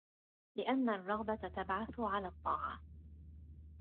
لِأَنَّ الرَّغْبَةَ تَبْعَثُ عَلَى الطَّاعَةِ